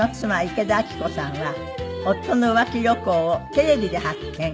池田明子さんは夫の浮気旅行をテレビで発見！